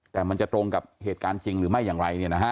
แต่มันจะตรงกับเหตุการณ์จริงหรือไม่อย่างไร